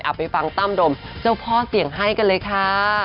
ไปฟังตั้มดมเจ้าพ่อเสี่ยงให้กันเลยค่ะ